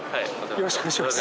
よろしくお願いします。